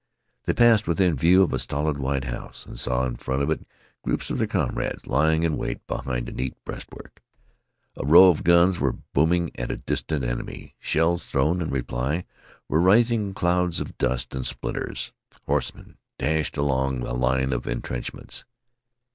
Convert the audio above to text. They passed within view of a stolid white house, and saw in front of it groups of their comrades lying in wait behind a neat breastwork. A row of guns were booming at a distant enemy. Shells thrown in reply were raising clouds of dust and splinters. Horsemen dashed along the line of intrenchments.